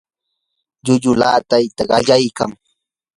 llulluu laatayta qallaykan.